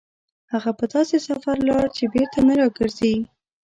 هغه په داسې سفر لاړ چې بېرته نه راګرځي.